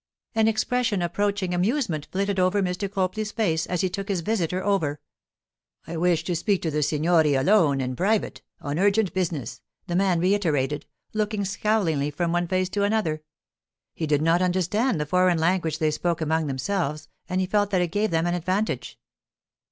An expression approaching amusement flitted over Mr. Copley's face as he looked his visitor over. 'I wish to speak to the signore alone, in private, on urgent business,' the man reiterated, looking scowlingly from one face to the other. He did not understand the foreign language they spoke among themselves, and he felt that it gave them an advantage.